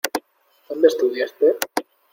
¿Dónde estudiaste?